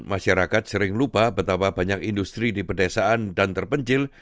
masyarakat sering lupa betapa banyak industri di pedesaan dan terpencil